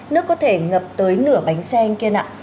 nước có thể ngập tới nửa bánh xanh kia nạ